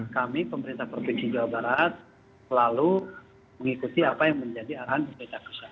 kami pemerintah provinsi jawa barat selalu mengikuti apa yang menjadi arahan pemerintah pusat